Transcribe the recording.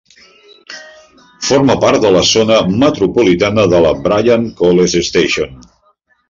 Forma part de la zona metropolitana de la Bryan-College Station.